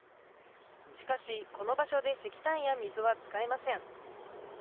しかし、この場所で石炭や水は使えません。